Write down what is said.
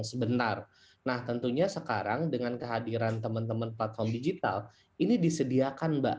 sebentar nah tentunya sekarang dengan kehadiran teman teman platform digital ini disediakan mbak